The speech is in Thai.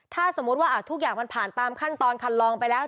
ถ้าสมมุติว่าทุกอย่างมันผ่านตามขั้นตอนคันลองไปแล้ว